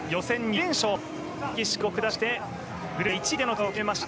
メキシコを下してグループＡ１位での通過を決めました。